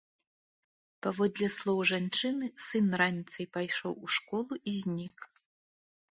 Паводле слоў жанчыны, сын раніцай пайшоў у школу і знік.